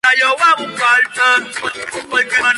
A media noche la división Carvalho inició su avance.